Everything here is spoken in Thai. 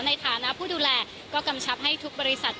ในฐานะผู้ดูแลก็กำชับให้ทุกบริษัท